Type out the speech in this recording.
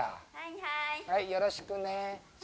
はいよろしくね。